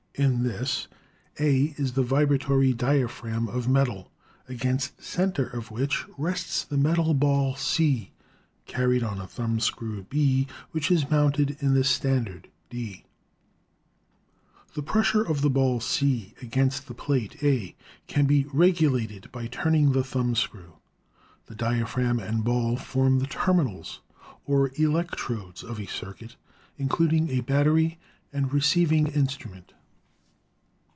In this A is the vibratory diaphragm of metal, against the center of which rests the metal ball, C, carried on a thumbscrew, B, which is mounted in the standard, d. The pressure of .the ball, C, against the plate, A, can be regulated by turning the thumbscrew. The diaphragm and ball form the terminals or electrodes of a circuit, including a battery and receiving instrument.